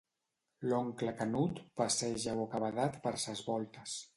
L'oncle Canut passeja bocabadat per ses Voltes.